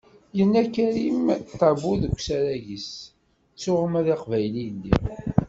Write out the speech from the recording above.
Yenna Karim Tabu deg usarag-is: " ttuɣ ma d aqbayli i lliɣ."